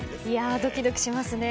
ドキドキしますね。